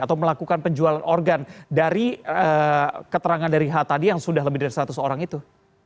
atau melakukan penjualan organ dari keterangan dari h tadi yang sudah lebih dari seratus orang itu